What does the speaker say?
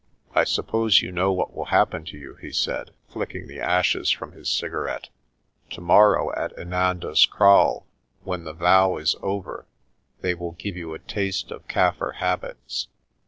"I suppose you know what will happen to you," he said, flicking the ashes from his cigarette. "Tomorrow at In anda's Kraal, when the vow is over, they will give you a taste of Kaffir habits.